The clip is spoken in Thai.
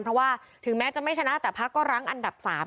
เพราะว่าถึงแม้จะไม่ชนะแต่พักก็รั้งอันดับ๓